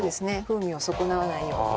風味を損なわないように。